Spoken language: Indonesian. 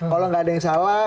kalau nggak ada yang salah